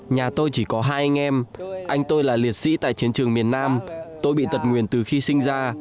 nhà tôi chỉ có hai anh em anh tôi là liệt sĩ tại chiến trường miền nam tôi bị tật nguyền từ khi sinh ra